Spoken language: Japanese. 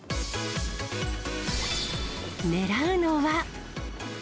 狙うのは。